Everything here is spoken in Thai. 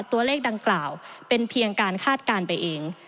ตัวเลขดังกล่าวเป็นเพียงการคาดการณ์ไปเอง